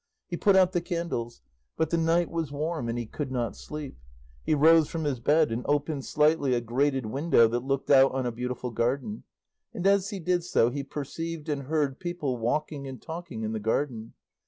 He put out the candles; but the night was warm and he could not sleep; he rose from his bed and opened slightly a grated window that looked out on a beautiful garden, and as he did so he perceived and heard people walking and talking in the garden.